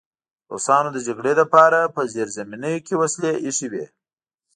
روسانو د جګړې لپاره په زیرزمینیو کې وسلې ایښې وې